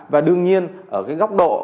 và đương nhiên ở cái góc độ